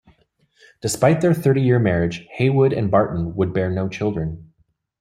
Despite their thirty-year marriage, Heywood and Barton would bear no children.